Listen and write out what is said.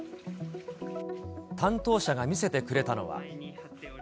担当者が見せてくれたのは。